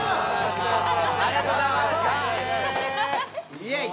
ありがとうございますイェイ！